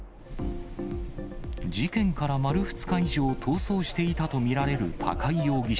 事件から丸２日以上逃走していたと見られる高井容疑者。